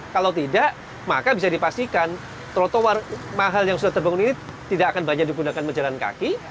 kalau tidak maka bisa dipastikan trotoar mahal yang sudah terbangun ini tidak akan banyak digunakan berjalan kaki